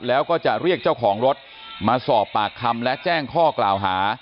แล้วก็จะเรียกเจ้าของรถมาสอบปากคำและแจ้งข้อกล่าวหา